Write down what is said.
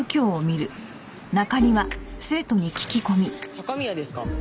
高宮ですか？